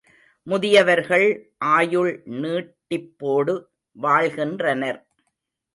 முதியவர்கள் ஆயுள் நீட்டிப்போடு வாழ்கின்றனர்.